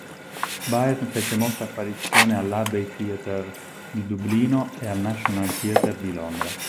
Byrne fece molte apparizioni all'Abbey Theatre di Dublino e al National Theatre di Londra.